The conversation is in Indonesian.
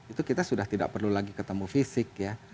itu kita sudah tidak perlu lagi ketemu fisik ya